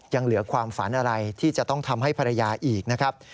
ยังเหลือความฝันอะไรที่จะต้องทำให้ภรรยาอีกนะครับ